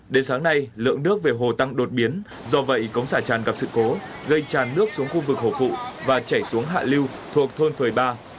đến sáng nay lượng nước về hồ tăng đột biến do vậy cống xả tràn gặp sự cố gây tràn nước xuống khu vực hồ phụ và chảy xuống hạ lưu thuộc thôn phời ba